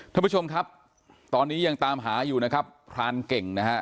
ท่านผู้ชมครับตอนนี้ยังตามหาอยู่นะครับพรานเก่งนะฮะ